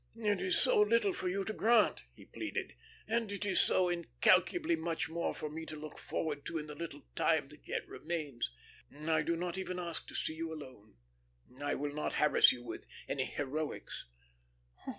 "It is so little for you to grant," he pleaded, "and it is so incalculably much for me to look forward to in the little time that yet remains. I do not even ask to see you alone. I will not harass you with any heroics."